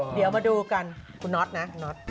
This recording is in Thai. เดี๋ยวมาดูกันคุณน็อตนะ